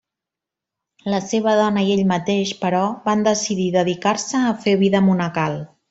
La seva dona i ell mateix, però, van decidir dedicar-se a fer vida monacal.